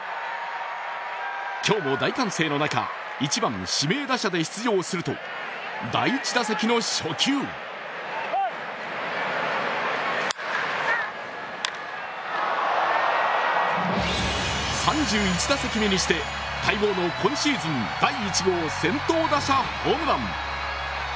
今日も大歓声の中、１番・指名打者で出場すると第１打席の初球３１打席目にして待望の今シーズン、第１号、先頭打者ホームラン。